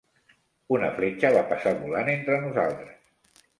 Una fletxa va passar volant entre nosaltres.